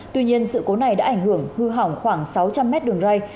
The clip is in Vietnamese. tuy nhiên sự cố này đã ảnh hưởng hư hỏng khoảng sáu trăm linh mét đường ray